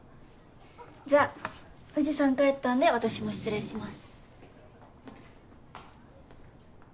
じゃ藤さん帰ったんで私も失礼します。